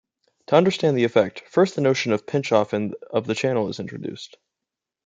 To understand the effect, first the notion of pinch-off of the channel is introduced.